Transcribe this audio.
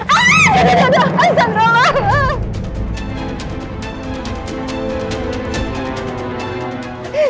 aduh aduh aduh